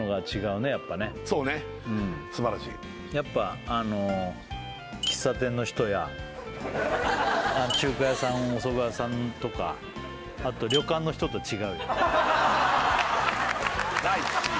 すばらしいやっぱあの喫茶店の人や中華屋さんおそば屋さんとかあと旅館の人と違うよ